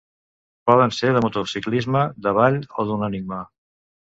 Poden ser de motociclisme, de ball o d'un enigma.